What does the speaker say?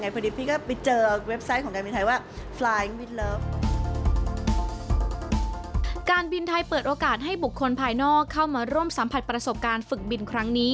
พอดีพีชก็ไปเจอเว็บไซต์ของการบินไทยว่า